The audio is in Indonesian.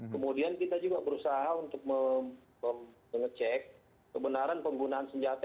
kemudian kita juga berusaha untuk mengecek kebenaran penggunaan senjata